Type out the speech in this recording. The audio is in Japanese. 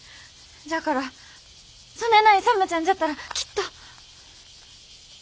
じゃあからそねえな勇ちゃんじゃったらきっと。